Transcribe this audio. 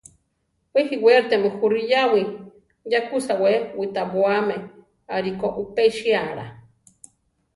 Wé jiwéritiame jú riyáwi, ya kú sawé witabóame arikó upésiala.